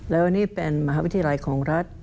แล้ววันนี้เป็นมหาวิทยาลัยของรัฐ